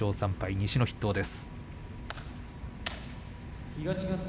西の筆頭です。